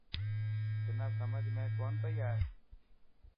تنان سمجهه ۾ ڪون پئي آڻي.